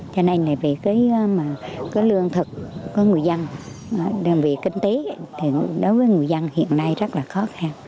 cho nên lương thực người dân đơn vị kinh tế đối với người dân hiện nay rất là khó khăn